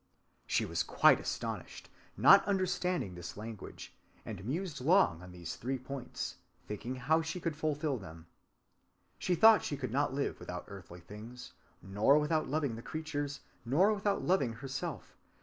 _ She was quite astonished, not understanding this language, and mused long on these three points, thinking how she could fulfill them. She thought she could not live without earthly things, nor without loving the creatures, nor without loving herself.